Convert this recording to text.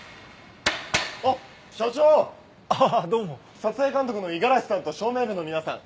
撮影監督の五十嵐さんと照明部の皆さん。